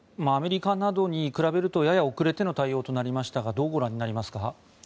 アメリカなどに比べるとやや遅れての対応となりましたがどうご覧になりますか？